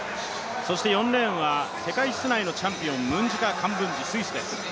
そして４レーンは世界室内のチャンピオン、スイスのムンジガ・カンブンジです